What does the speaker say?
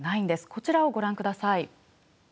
こちらをご覧ください。